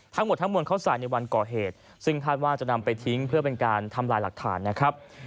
ทั้งหมดทั้งมวลเขาใส่ในวันก่อเหตุซึ่งคาดว่าจะนำไปทิ้งเพื่อเป็นการทำลายหลักฐานนะครับ